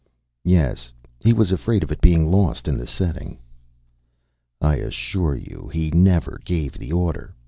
"Yes. He was afraid of it being lost in the setting." "I assure you he never gave the order.